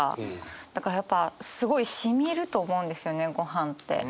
だからやっぱすごいしみると思うんですよねごはんって。